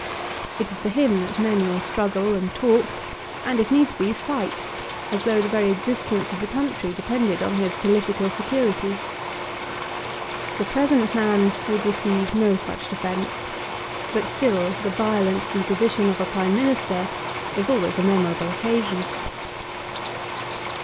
It is for him that men will struggle, and talk, and, if needs be, fight, as though the very existence of the country depended on his political security. The present man would receive no such defence; but still the violent deposition of a Prime Minister is always a memorable occasion.